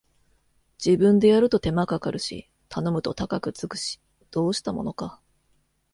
自分でやると手間かかるし頼むと高くつくし、どうしたものか